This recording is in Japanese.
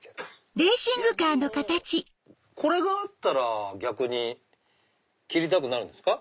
いやでもこれがあったら逆に切りたくなるんすか。